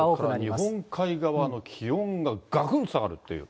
日本海側の気温ががくんと下がるという。